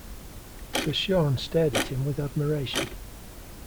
Sir Sean stared at him with admiration.